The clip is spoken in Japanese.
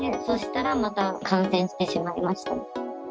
そしたらまた、感染してしまいました。